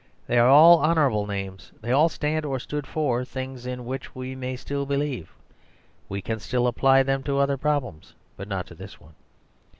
They are all honourable names; they all stand, or stood, for things in which we may still believe; we can still apply them to other problems; but not to this one.